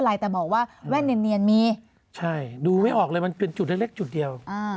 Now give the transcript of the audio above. กล้องอยู่ไหนอาจารย์